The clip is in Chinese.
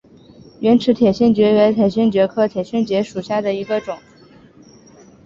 圆齿铁线蕨为铁线蕨科铁线蕨属下的一个种。